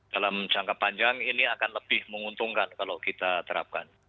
dalam jangka panjang ini akan lebih menguntungkan kalau kita terapkan